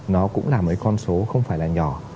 nó cũng là một con số không phải là nhỏ